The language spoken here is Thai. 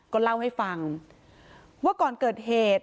ก็เล่าให้ฟังว่าก่อนเกิดเหตุ